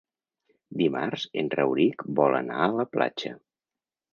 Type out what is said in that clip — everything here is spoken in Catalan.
Dimarts en Rauric vol anar a la platja.